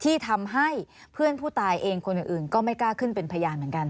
ที่ทำให้เพื่อนผู้ตายเองมีเก้ากล้าคืนเป็นพยานเหมือนกัน